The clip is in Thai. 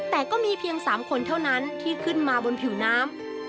แต่ก็มีเพียง๓คนเท่านั้นที่ขึ้นมาบนผิวน้ำ